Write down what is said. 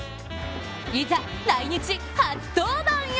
いざ、来日初登板へ。